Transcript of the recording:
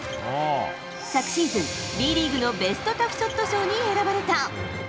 昨シーズン、Ｂリーグのベストタフショット賞に選ばれた。